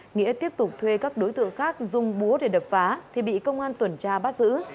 nghĩa tiếp tục thuê các đối tượng khác dùng búa để đập phá thì bị công an tuần tra bắt giữ